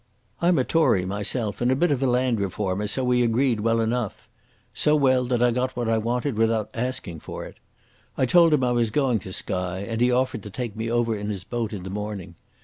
I'm a Tory myself and a bit of a land reformer, so we agreed well enough. So well, that I got what I wanted without asking for it. I told him I was going to Skye, and he offered to take me over in his boat in the morning.